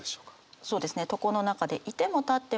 そうですね。